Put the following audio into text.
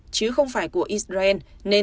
chứ không phải của israel